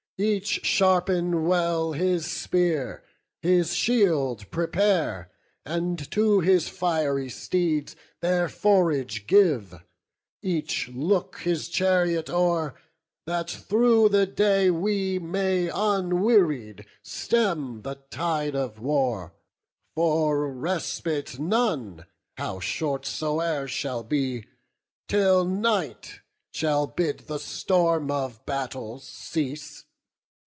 Each sharpen well his spear, his shield prepare, Each to his fiery steeds their forage give, Each look his chariot o'er, that through the day We may unwearied stem the tide of war; For respite none, how short soe'er, shall be Till night shall bid the storm of battle cease.